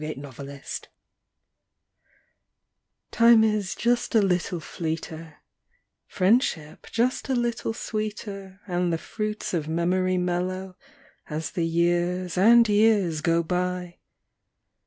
A597234 IME is "just a little fleeter; priendship just a little sweeter; And the jruits of memoru mellcrcO ' I As the Ljears and Ejears ao btj.